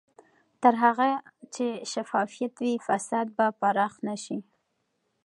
تر هغه چې شفافیت وي، فساد به پراخ نه شي.